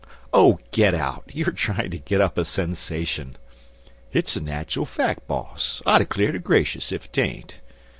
"Oh, get out! You are trying to get up a sensation." "Hit's a natal fack, boss, I declar' ter grashus ef 'tain't.